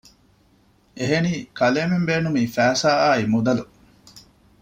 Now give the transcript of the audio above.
އެހެނީ ކަލޭމެން ބޭނުމީ ފައިސާ އާއި މުދަލު